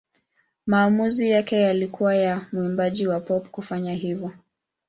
Maamuzi yake ya kwanza ya mwimbaji wa pop kufanya hivyo.